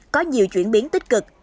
có nhiều chuyển biến tích cực